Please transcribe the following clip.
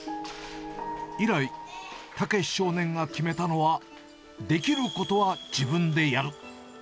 以来、たけし少年が決めたのは、できることは自分でやる。